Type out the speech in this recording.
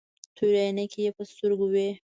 تورې عينکې يې په سترګو وې.